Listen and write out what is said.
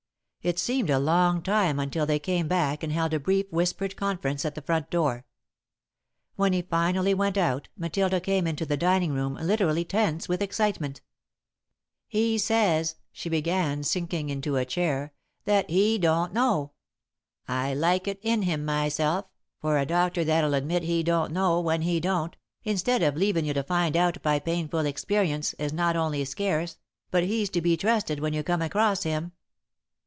It seemed a long time until they came back and held a brief whispered conference at the front door. When he finally went out, Matilda came into the dining room, literally tense with excitement. [Sidenote: The Doctor's Word] "He says," she began, sinking into a chair, "that he don't know. I like it in him myself, for a doctor that'll admit he don't know, when he don't, instead of leavin' you to find out by painful experience, is not only scarce, but he's to be trusted when you come across him.